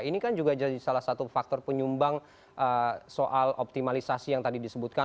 ini kan juga jadi salah satu faktor penyumbang soal optimalisasi yang tadi disebutkan